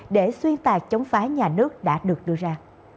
để xuyên tạc chống phá nhà nước đã được đưa ra